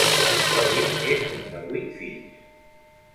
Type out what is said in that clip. Toby és un de vuit fills.